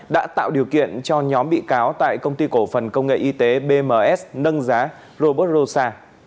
đã tạo điều kiện cho nhóm bị cáo tại công ty cổ phần công nghệ y tế bms nâng giá robot rosa